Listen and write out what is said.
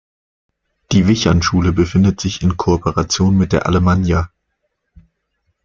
Die Wichern-Schule befindet sich in Kooperation mit der Allemannia.